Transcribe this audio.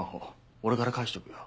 俺から返しておくよ。